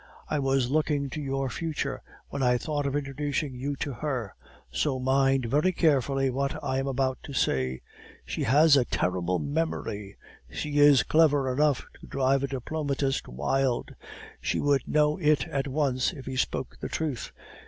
I was looking to your future when I thought of introducing you to her; so mind very carefully what I am about to say. She has a terrible memory. She is clever enough to drive a diplomatist wild; she would know it at once if he spoke the truth.